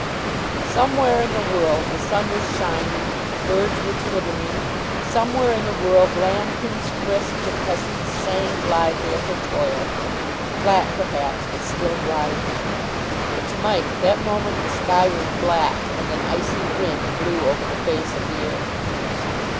Somewhere in the world the sun was shining, birds were twittering; somewhere in the world lambkins frisked and peasants sang blithely at their toil (flat, perhaps, but still blithely), but to Mike at that moment the sky was black, and an icy wind blew over the face of the earth.